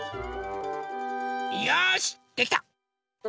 よしできた！